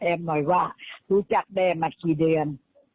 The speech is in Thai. หน่อยว่ารู้จักแด้มากี่เดือน